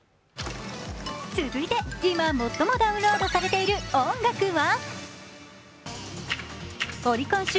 続いて、今、最もダウンロードされている音楽は？